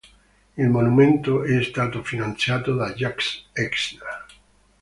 Il monumento è stato finanziato da Jacek Eisner.